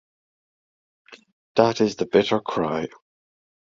That is the bitter cry.